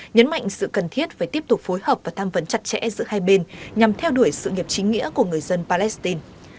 nhấn mạnh sự cần thiết về tiếp tục phối hợp và tham vấn chặt chẽ giữa hai bên nhằm theo đuổi sự nghiệp chính nghĩa của người dân palestine